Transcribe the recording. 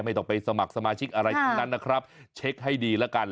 ไม่ต้องไปสมัครสมาชิกอะไรทั้งนั้นนะครับเช็คให้ดีแล้วกัน